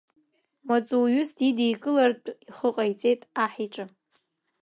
Маҵуҩыс дидикылартә ихы ҟаиҵет аҳ иҿы.